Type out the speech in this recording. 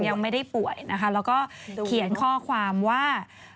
ยังไม่ได้ป่วยนะคะแล้วก็เขียนข้อความว่า